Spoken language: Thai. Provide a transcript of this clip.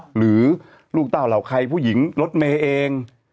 หรือลูกเต้าเหล่าใครผู้หญิงรถเมย์เอง